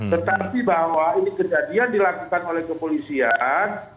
tetapi bahwa ini kejadian dilakukan oleh kepolisian